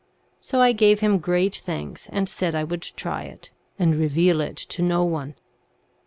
So I gave him great thanks, and said I would try it, and reveal it to no one.